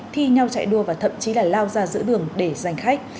thi nhau chạy đua và thậm chí là lao ra giữa đường để giành khách